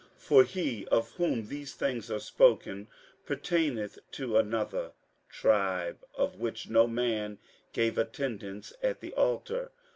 58:007:013 For he of whom these things are spoken pertaineth to another tribe, of which no man gave attendance at the altar.